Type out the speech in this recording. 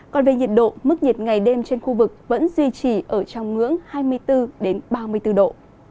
còn về nhiệt độ mức nhiệt ngày đêm trên khu vực vẫn duy trì ở trong ngưỡng hai mươi bốn ba mươi bốn độ